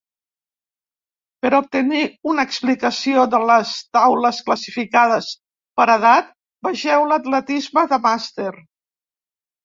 Per obtenir una explicació de les taules classificades per edat, vegeu l'atletisme de màster.